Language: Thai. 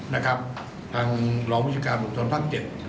นะครับทางหลองวิชาการบุคทรภัณฑ์๗